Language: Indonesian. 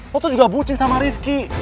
lo tuh juga bucin sama rivki